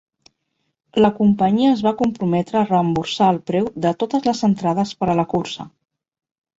La companyia es va comprometre a reemborsar el preu de totes les entrades per a la cursa.